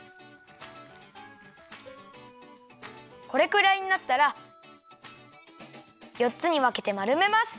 これくらいになったらよっつにわけてまるめます。